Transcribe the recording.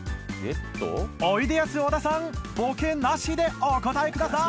おいでやす小田さんボケなしでお答えください